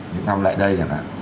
những năm lại đây chẳng hạn